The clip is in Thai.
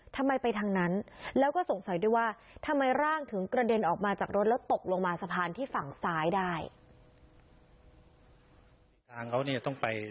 ทำไมไปทางนั้นแล้วก็สงสัยด้วยว่าทำไมร่างถึงกระเด็นออกมาจากรถแล้วตกลงมาสะพานที่ฝั่งซ้ายได้